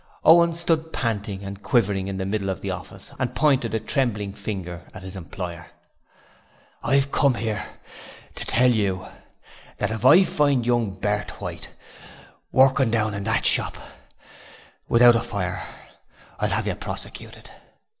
Owen stood panting and quivering in the middle of the office and pointed a trembling finger at his employer: 'I've come here to tell you that if I find young Bert White working down in that shop without a fire I'll have you prosecuted.